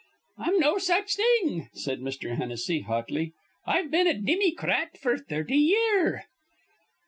"I'm no such thing," said Mr. Hennessy, hotly. "I've been a Dimmycrat f'r thirty year."